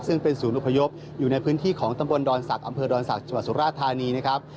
ซึ่งเป็นศูนย์อพยพอยู่ในพื้นที่ของตำบลดอนศักดิ์อำเภอดอนศักดิ์จังหวัดสุราธานีนะครับ